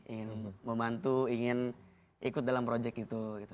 ingin membantu ingin ikut dalam project itu